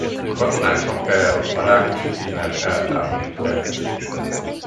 A katonák sapkájáról a Rákosi-címert eltávolítják.